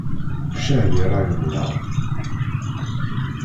Ccah di ṛṛay-nneɣ!